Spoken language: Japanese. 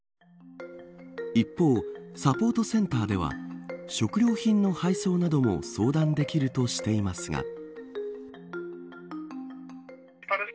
一方、サポートセンターでは食料品の配送なども相談できるとしていますが。